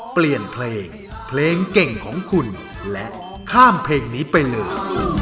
เปลี่ยนเพลงเพลงเก่งของคุณและข้ามเพลงนี้ไปเลย